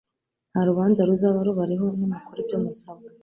nta rubanza ruzaba rubariho nimukora ibyo musabwa